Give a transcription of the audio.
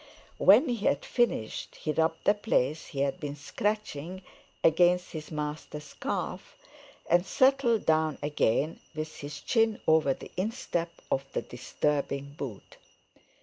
When he had finished he rubbed the place he had been scratching against his master's calf, and settled down again with his chin over the instep of the disturbing boot.